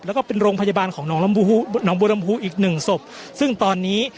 แล้วก็เป็นโรงพยาบาลของนองลำภูน้องบูรรณภูอีกหนึ่งศพซึ่งตอนนี้